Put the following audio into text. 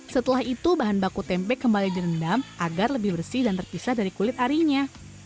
setelah itu bahan baku tempe kembali direndam agar lebih bersih dan terpisah dari kulit arinya